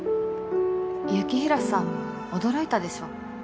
雪平さんも驚いたでしょ？